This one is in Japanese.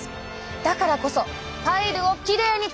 だからこそパイルをきれいに保つには。